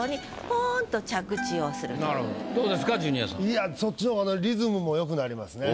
いやそっちの方がリズムも良くなりますね。